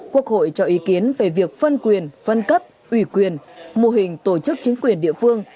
quốc hội cho ý kiến về việc phân quyền phân cấp ủy quyền mô hình tổ chức chính quyền địa phương